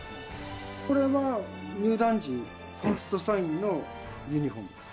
これは入団時、ファーストサインのユニホームです。